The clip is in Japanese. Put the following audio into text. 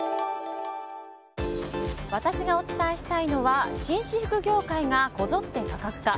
私がお伝えしたいのは紳士服業界がこぞって多角化。